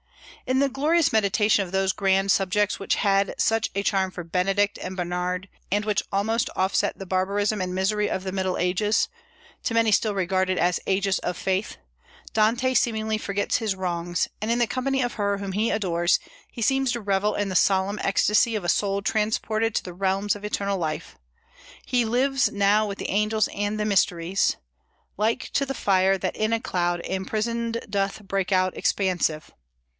In the glorious meditation of those grand subjects which had such a charm for Benedict and Bernard, and which almost offset the barbarism and misery of the Middle Ages, to many still regarded as "ages of faith," Dante seemingly forgets his wrongs; and in the company of her whom he adores he seems to revel in the solemn ecstasy of a soul transported to the realms of eternal light. He lives now with the angels and the mysteries, "Like to the fire That in a cloud imprisoned doth break out expansive.